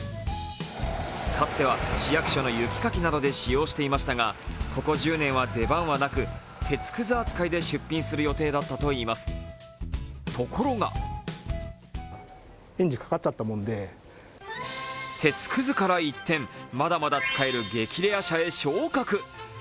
かつては市役所の雪かきなどで使用していましたが、ここ１０年は出番はなく鉄くず扱いで出品する予定だったといいますところが鉄くずから一転、まだまだ使える激レア車に昇格。